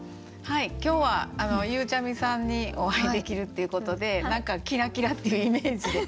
今日はゆうちゃみさんにお会いできるっていうことで何か「キラキラ」っていうイメージで。